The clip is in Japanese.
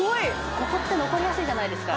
ここって残りやすいじゃないですか